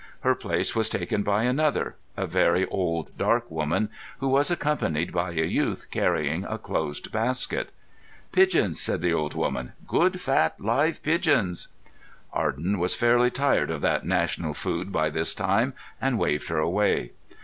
Her place was taken by another, a very old, dark woman, who was accompanied by a youth carrying a closed basket. "Pigeons," said the old woman. "Good, fat, live pigeons." Arden was fairly tired of that national food by this time, and waved her away.